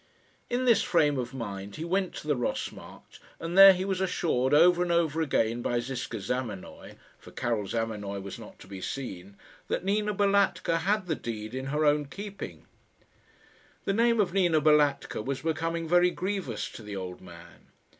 In this frame of mind he went to the Ross Markt, and there he was assured over and over again by Ziska Zamenoy for Karil Zamenoy was not to be seen that Nina Balatka had the deed in her own keeping. The name of Nina Balatka was becoming very grievous to the old man.